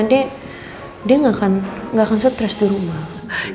dia nggak akan stres di rumah